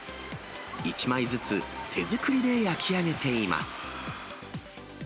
１枚ずつ手作りで焼き上げています。